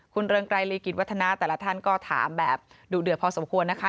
คุณเรืองไกรลีกิจวัฒนาแต่ละท่านก็ถามแบบดุเดือดพอสมควรนะคะ